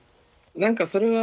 何かそれは